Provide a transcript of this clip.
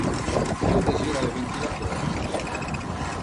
Io desira le ventilator.